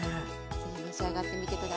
ぜひ召し上がってみて下さい。